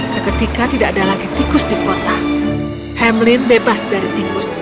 seketika tidak ada lagi tikus di kota hemlin bebas dari tikus